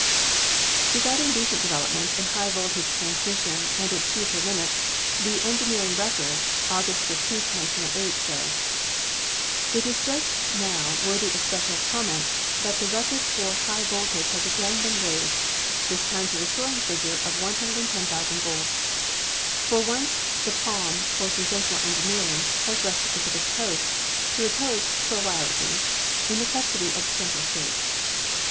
POWER TRANSMISSION 223 Regarding recent developments in high voltage trans mission and its future limits, the 'Engineering Record,' August 15, 1908, says: "It is just now worthy of special comment that the record for high voltage has again been raised, this time to the soaring figure of 110,000 volts. For once the palm for sensational engineering has left the Pacific coast, to repose, for a while at least, in the custody of the Central States.